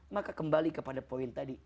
maka kembali kepada poin tadi